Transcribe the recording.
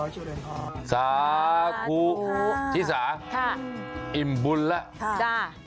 สาคูทิสาอิ่มบุญละ